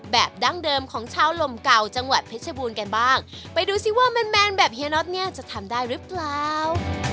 ดั้งเดิมของชาวลมเก่าจังหวัดเพชรบูรณ์กันบ้างไปดูสิว่าแมนแมนแบบเฮียน็อตเนี่ยจะทำได้หรือเปล่า